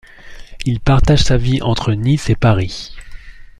Il partage sa vie entre Nice et Paris.